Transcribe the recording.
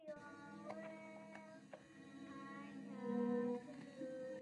La Comisión de la Verdad tendrá dos años para emitir un informe.